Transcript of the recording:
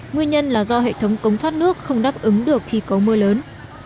nguyên nhân là do hệ thống cống thoát nước không đáp ứng được khi có mưa lớn